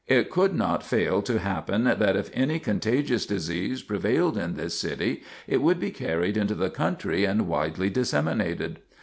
It could not fail to happen that if any contagious disease prevailed in this city, it would be carried into the country and widely disseminated.